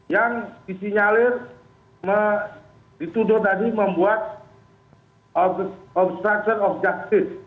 yang disinyalir dituduh tadi membuat obstruction of justice